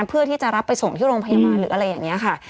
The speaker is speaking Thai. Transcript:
เพื่อที่จะรับไปส่งที่โรงพยาบาลหรืออะไรอย่างนี้ค่ะ